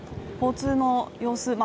交通の様子